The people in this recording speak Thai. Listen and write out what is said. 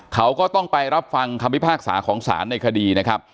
เขาก็ต้องไปรับฟังคำพิพากษาของศาลในคดีนะครับ